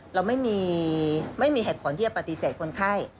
เราไม่มีเหตุผลที่จะปฏิเสธคนไข้